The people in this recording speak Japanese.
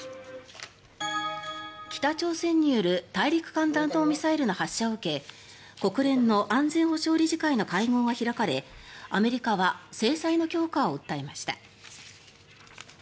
北朝鮮による大陸間弾道ミサイルの発射を受け国連の安全保障理事会の会合が開かれアメリカは制裁の強化を訴えました。